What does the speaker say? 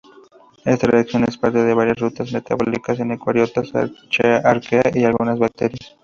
Esta reacción es parte de varias rutas metabólicas en eucariotas, archaea y algunas bacterias.